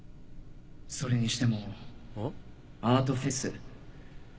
それにしてもアートフェス